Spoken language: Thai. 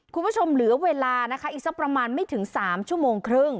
คุณผู้ชมเหลือเวลานะคะอีกสักประมาณไม่ถึง๓ชั่วโมงครึ่ง